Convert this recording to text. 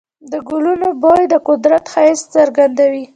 د ګلونو بوی د قدرت ښایست څرګندوي.